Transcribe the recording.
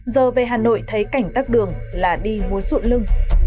giờ về hà nội thấy cảnh tắt đường là đi muốn rụn lưng